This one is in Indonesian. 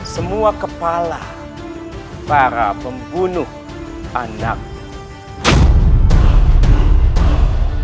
semua kepala para pembunuh anak